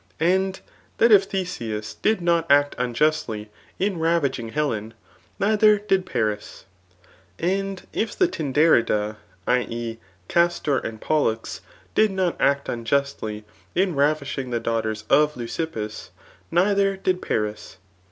And that if Theseus did not act unjustly [In ravishing Helen,] neither did Faris^ And if the Tyndaridse [i. e« Castor and Pollux] did not act unjustly [in ravishing the daughters of Leucippus,] neither did Paris.